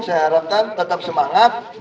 saya harapkan tetap semangat